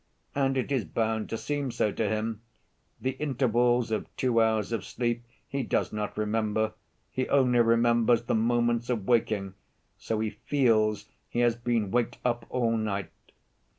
And it is bound to seem so to him: the intervals of two hours of sleep he does not remember, he only remembers the moments of waking, so he feels he has been waked up all night.